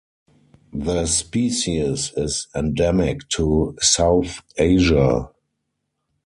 The species is endemic to South Asia.